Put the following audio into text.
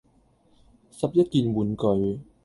十一件玩具